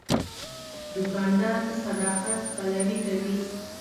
دوکاندار د صداقت پلوي کوي.